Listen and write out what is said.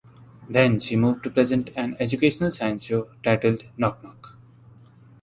Then she moved to present an educational science show titled "Knock Knock".